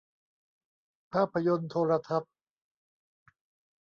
ภาพยนตร์โทรทัศน์